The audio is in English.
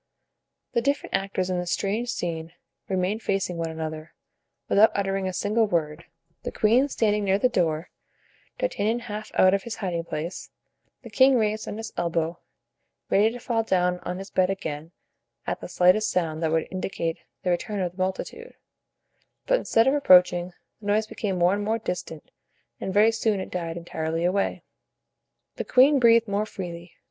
The different actors in this strange scene remained facing one another, without uttering a single word; the queen standing near the door, D'Artagnan half out of his hiding place, the king raised on his elbow, ready to fall down on his bed again at the slightest sound that would indicate the return of the multitude, but instead of approaching, the noise became more and more distant and very soon it died entirely away. The queen breathed more freely.